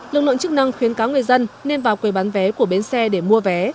lực lượng chức năng khuyến cáo người dân nên vào quầy bán vé của bến xe để mua vé